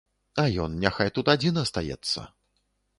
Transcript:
А ён няхай тут адзін астаецца.